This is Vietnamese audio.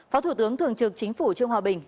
phó thủ tướng thường trực chính phủ trương hòa bình